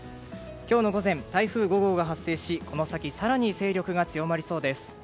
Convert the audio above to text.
今日の午前、台風５号が発生しこの先、更に勢力が強まりそうです。